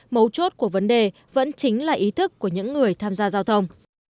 mấu chốt của vấn đề vẫn chính là ý thức của những người tham gia giao thông